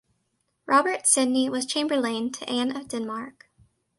Robert Sidney was Chamberlain to Anne of Denmark.